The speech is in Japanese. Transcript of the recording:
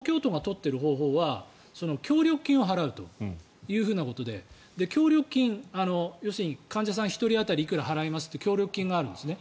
今、東京都が取っている方法は協力金を払うということで協力金、要するに患者さん１人当たりいくら払いますって協力金があるんですね。